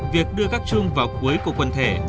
việc đưa gác chuông vào cuối của quần thể